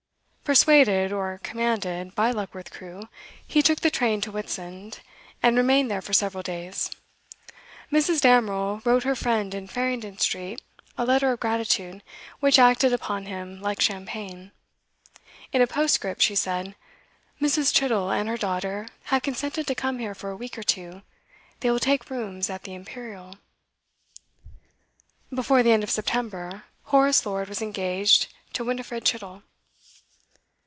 Persuaded, or commanded, by Luckworth Crewe, he took the train to Whitsand, and remained there for several days. Mrs. Damerel wrote her friend in Farringdon Street a letter of gratitude, which acted upon him like champagne. In a postscript she said: 'Mrs. Chittle and her daughter have consented to come here for a week or two. They will take rooms at the Imperial.' Before the end of September, Horace Lord was engaged to Winifred Chittle.